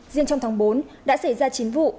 riêng trong tháng bốn đã xảy ra chín vụ